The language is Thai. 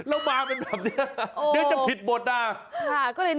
โอ้โฮ